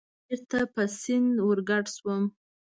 بېرته په سیند ورګډ شوم.